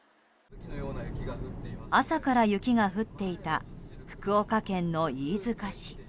朝から雪が降っていた福岡県の飯塚市。